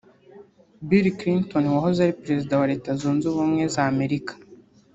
Bill Clinton wahoze ari perezida wa Leta Zunze Ubumwe za Amerika